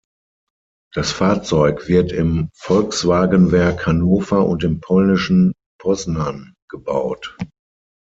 Das Fahrzeug wird im Volkswagenwerk Hannover und im polnischen Poznań gebaut.